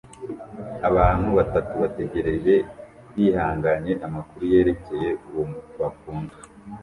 Abantu batatu bategereje bihanganye amakuru yerekeye uwo bakunda